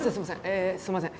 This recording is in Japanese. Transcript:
えすいません。